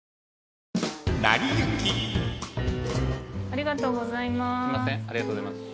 ありがとうございます。